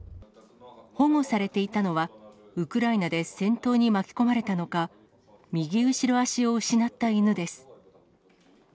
保護されていたのは、ウクライナで戦闘に巻き込まれたのか、右後ろ脚を失った犬です。